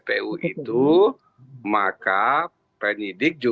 maka penyidik juga akan melakukan penyelidikan tppu